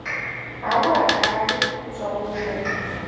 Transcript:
Ауэ ажалыр гущӀэгъуншэт…